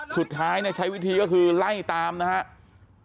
สุดท้ายใช้วิธีก็คือไล่ตามนะครับ